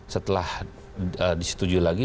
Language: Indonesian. setelah disetujui lagi